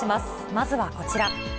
まずはこちら。